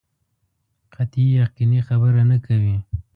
قطعي یقیني خبره نه کوي.